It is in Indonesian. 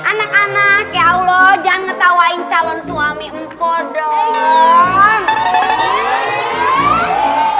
anak anak ya allah jangan menawarkan calon suami mkodong